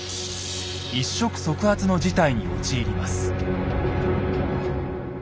一触即発の事態に陥ります。